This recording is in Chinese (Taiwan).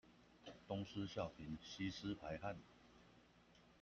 東施效顰，吸濕排汗